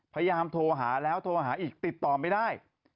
พยายามโทรหาแล้วโทรหาอีกติดต่อไม่ได้